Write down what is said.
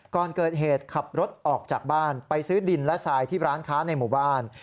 ก่อนเกิดเหตุขับรถออกจากบ้านไปซื้อดินและทรายที่ร้านค้าในหมู่บ้าน